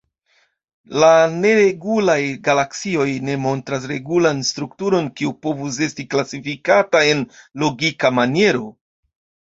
La neregulaj galaksioj ne montras regulan strukturon kiu povus esti klasifikata en logika maniero.